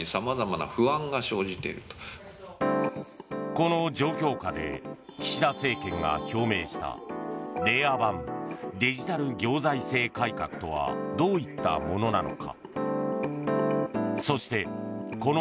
この状況下で岸田政権が表明した令和版デジタル行財政改革とはどういったものなのか。